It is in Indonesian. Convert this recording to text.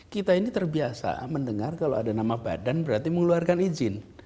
kita ini terbiasa mendengar kalau ada nama badan berarti mengeluarkan izin